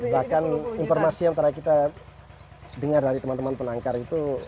bahkan informasi yang terakhir kita dengar dari teman teman penangkar itu